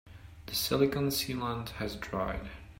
The silicon sealant has dried.